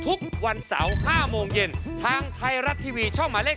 ทุกวันเสาร์๕โมงเย็นทางไทยรัฐทีวีช่องหมายเลข๒